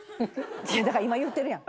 だから今言うてるやん。